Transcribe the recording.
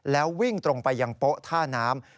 แล้ววิ่งตรงไปยังโป๊ะท่าน้ำ